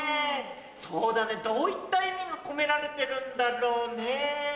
そうだねどういった意味が込められてるんだろうね。